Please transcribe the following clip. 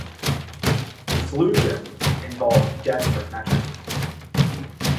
The solution involves desperate measures.